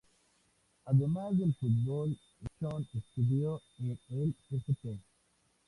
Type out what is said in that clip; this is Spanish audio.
Además del Fútbol, Schön estudió en el St.